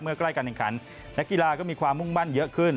ใกล้การแข่งขันนักกีฬาก็มีความมุ่งมั่นเยอะขึ้น